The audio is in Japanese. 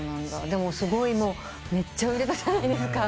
でもすごいめっちゃ売れたじゃないですか。